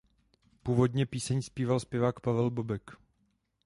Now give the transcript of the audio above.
Původně píseň zpíval zpěvák Pavel Bobek.